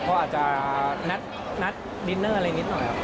เขาอาจจะนัดดินเนอร์อะไรนิดหน่อยครับ